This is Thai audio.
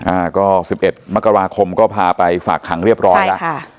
อ่าก็สิบเอ็ดมกราคมก็พาไปฝากขังเรียบร้อยแล้วค่ะ